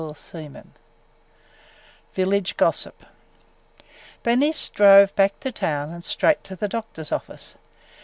CHAPTER II VILLAGE GOSSIP BERNICE drove back to town and straight to the doctor's office.